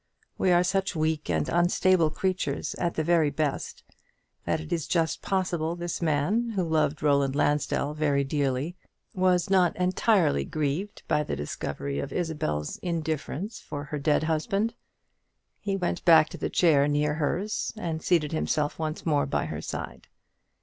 We are such weak and unstable creatures at the very best, that it is just possible this man, who loved Roland Lansdell very dearly, was not entirely grieved by the discovery of Isabel's indifference for her dead husband. He went back to the chair near hers, and seated himself once more by her side.